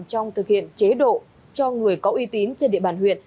trong thực hiện chế độ cho người có uy tín trên địa bàn huyện